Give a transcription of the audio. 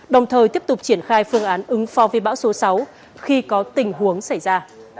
đồng thời tiếp tục triển khai phương án ứng phó với bão số sáu khi có tình huống xảy ra